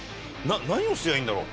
何をすりゃいいんだろう？